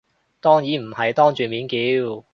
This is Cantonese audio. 當然唔係當住面叫